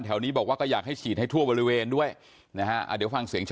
เพราะว่ามันอยู่ในเกษที่ทุมเตียงด้วย